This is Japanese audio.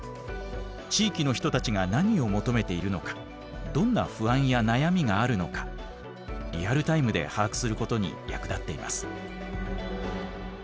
地域の人たちが何を求めているのかどんな不安や悩みがあるのかリアルタイムで把握することに役立っています。